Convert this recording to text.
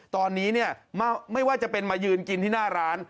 ตอนนี้เนี่ยไม่ว่าจะเป็นมายืนกินที่หน้าร้าน